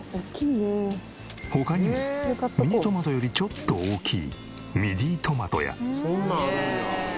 他にもミニトマトよりちょっと大きいミディトマトや。